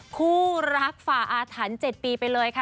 คู่รักฝ่าอาถรรพ์๗ปีไปเลยค่ะ